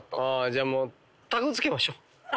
じゃあもうタグ付けましょう。